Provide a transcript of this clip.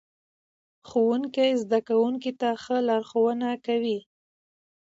ښوونکی زده کوونکو ته ښه لارښوونه کوي